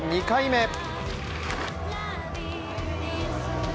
２回目。